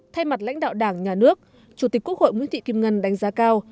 thay mặt lãnh đạo đảng nhà nước chủ tịch quốc hội nguyễn thị kim ngân đánh giá cao